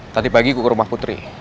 tadi pagi gue ke rumah putri